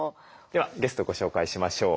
ではゲストご紹介しましょう。